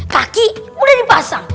kaki sudah dipasang